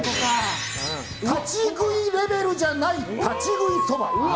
立ち食いレベルじゃない立ち食いそば。